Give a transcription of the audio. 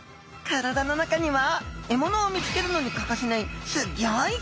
体の中には獲物を見つけるのに欠かせないすギョい